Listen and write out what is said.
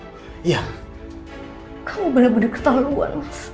beneran aku gak bawa apa apa dari rumah itu